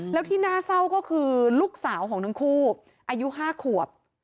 แล้วที่น่าเศร้าก็คือลูกสาวของทั้งคู่อายุ๕ขวบ